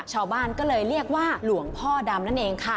ชาวบ้านก็เลยเรียกว่าหลวงพ่อดำนั่นเองค่ะ